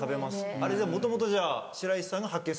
あれもともとじゃあ白石さんが発見された。